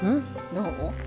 どう？